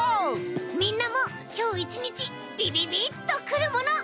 みんなもきょういちにちビビビッとくるもの。